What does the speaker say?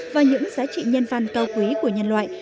và những giá trị nhân văn cao quý của nhân loại